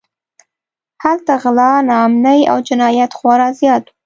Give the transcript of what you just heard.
هلته غلا، ناامنۍ او جنایت خورا زیات و.